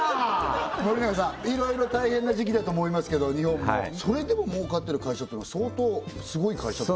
森永さんいろいろ大変な時期だと思いますけど日本もそれでも儲かってる会社ってのは相当スゴい会社ってことですか？